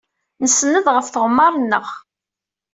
Nsenned ɣef tɣemmar-nneɣ.